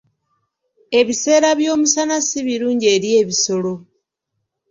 Ebiseera by'omusana si birungi eri ebisolo.